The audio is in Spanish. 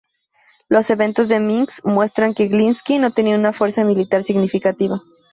Los eventos de Minsk muestran que Glinski no tenía una fuerza militar significativa.